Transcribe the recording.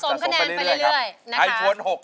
สะสมคะแนนไปเรื่อยนะครับ